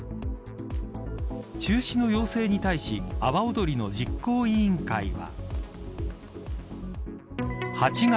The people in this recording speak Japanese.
中止の要請に対し阿波おどりの実行委員会は。